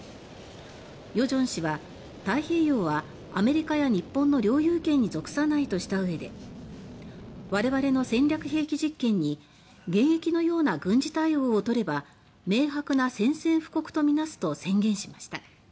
与正氏は「太平洋はアメリカや日本の領有権に属さない」としたうえで「我々の戦略兵器実験に迎撃のような軍事対応を取れば明白な宣戦布告と見なす」と宣言しました。